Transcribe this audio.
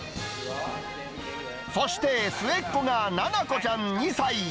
そして末っ子が七虹ちゃん２歳。